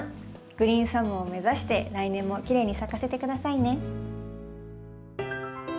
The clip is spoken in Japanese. グリーンサムを目指して来年もきれいに咲かせてくださいね。